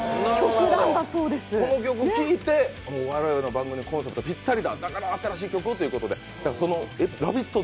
この曲を聴いて、我々の番組のコンセプトにぴったりだ、だから新しい曲をということでラヴィット！